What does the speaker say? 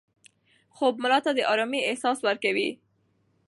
خوب ملا ته د ارامۍ احساس ورکوي.